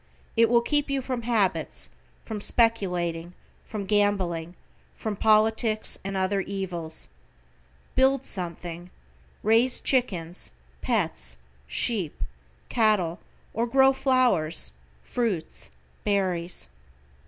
It will keep you from habits, from speculating, from gambling, from politics and other evils. Build something, raise chickens, pets, sheep, cattle, or grow flowers, fruits, berries.